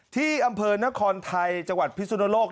ที่อำเภอนครไทยจังหวัดพิสุนโลก